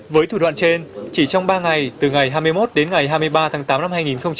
với thủ đoạn trên chỉ trong ba ngày từ ngày hai mươi một đến ngày hai mươi ba tháng tám năm hai nghìn hai mươi ba